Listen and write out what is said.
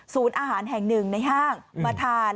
อาหารแห่งหนึ่งในห้างมาทาน